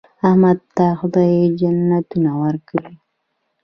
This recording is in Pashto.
احمد ته خدای جنتونه ورکړي.